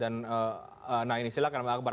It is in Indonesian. nah ini silahkan bang akbar